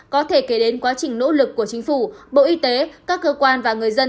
có thể kể đến quá trình nỗ lực của chính phủ bộ y tế các cơ quan và người dân